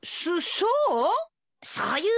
そそう？